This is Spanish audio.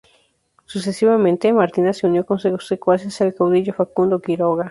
Sucesivamente, Martina se unió con sus secuaces al caudillo Facundo Quiroga.